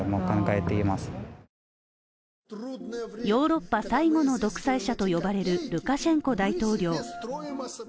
ヨーロッパ最後の独裁者と呼ばれるルカシェンコ大統領。